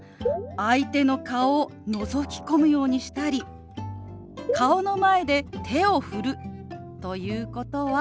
相手の顔をのぞき込むようにしたり顔の前で手を振るということはマナー違反なんです。